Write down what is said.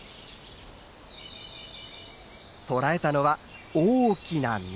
捕らえたのは大きなミミズ。